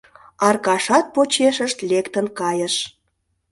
Аркашат почешышт лектын кайыш.